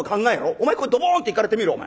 お前にここへドボンって行かれてみろお前。